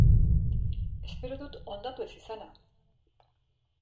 Espero dut hondatu ez izana!